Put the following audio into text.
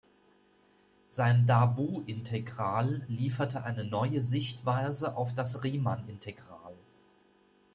Sein Darboux-Integral lieferte eine neue Sichtweise auf das Riemann-Integral.